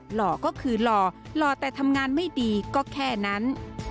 หล่อก็คือหล่อหล่อแต่ทำงานไม่ดีก็แค่นั้น